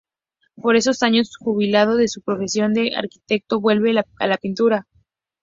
Por esos años, jubilado de su profesión de arquitecto, vuelve a la pintura.